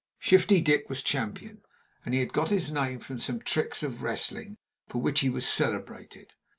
Shifty Dick was champion, and he had got his name from some tricks of wrestling, for which he was celebrated.